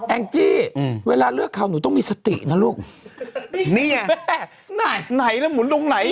แองจี้อืมเวลาเลือกเขาหนูต้องมีสตินะลูกนี่แม่ไหนไหนแล้วหมุนตรงไหน